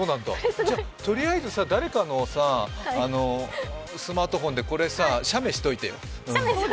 とりあえず誰かのスマートフォンでこれ写メしておいてよ。